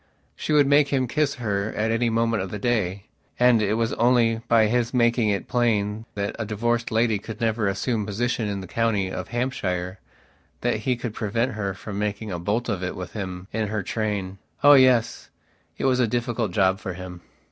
She would make him kiss her at any moment of the day; and it was only by his making it plain that a divorced lady could never assume a position in the county of Hampshire that he could prevent her from making a bolt of it with him in her train. Oh, yes, it was a difficult job for him.